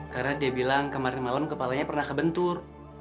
karena dia bilang kemarin malam kepalanya pernah kebentur